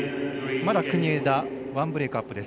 まだ国枝、１ブレークアップです。